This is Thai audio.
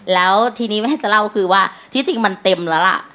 แล้วทีนี้ไม่ให้จะเล่าคือว่าที่จริงมันเต็มแล้วล่ะ